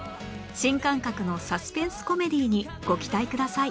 新感覚のサスペンスコメディーにご期待ください